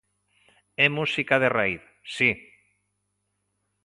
É música de raíz, si.